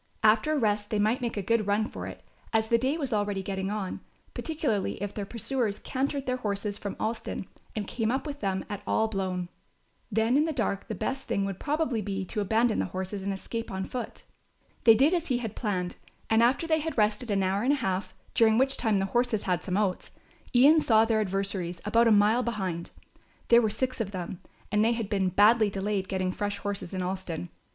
After a rest they might make a good run for it, as the day was already getting on, particularly if their pursuers cantered their horses from Alston and came up with them at all blown. Then in the dark the best thing would probably be to abandon the horses and escape on foot. They did as he had planned, and after they had rested an hour and a half, during which time the horses had some oats, Ian saw their adversaries about a mile behind. There were six of them and they had been badly delayed getting fresh horses in Alston.